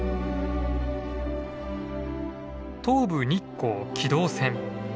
東武日光軌道線。